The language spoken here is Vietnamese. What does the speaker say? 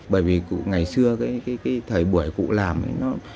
bởi vì cụ ngày xưa cái thời buổi cụ làm ấy nó